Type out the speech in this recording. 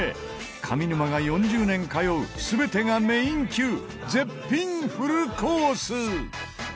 上沼が４０年通う全てがメイン級絶品フルコース。